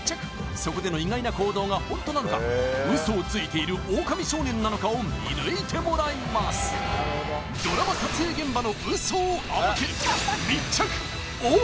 そこでの意外な行動がホントなのかウソをついているオオカミ少年なのかを見抜いてもらいますドラマ撮影現場のウソを暴け！